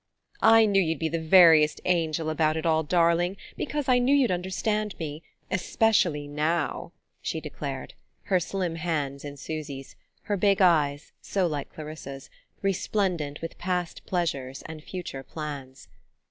"I knew you'd be the veriest angel about it all, darling, because I knew you'd understand me especially now," she declared, her slim hands in Susy's, her big eyes (so like Clarissa's) resplendent with past pleasures and future plans.